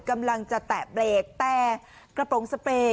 กำลังจะแตะเบรกแต่กระโปรงสเปรย์